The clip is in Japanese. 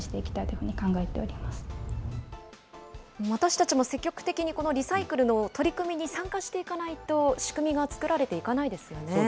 私たちも積極的にリサイクルの取り組みに参加していかないと、仕組みが作られていかないですよね。